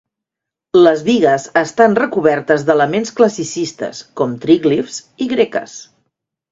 Les bigues estan recobertes d'elements classicistes, com tríglifs i greques.